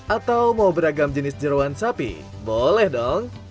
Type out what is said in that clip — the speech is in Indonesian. atau mau beragam jenis jerawan sapi boleh dong